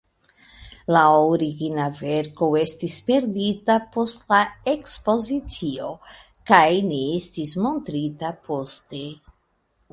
La origina verko estis perdita post la ekspozicio kaj ne estis montrita poste.